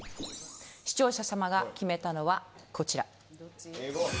視聴者さまが決めたのはこちら。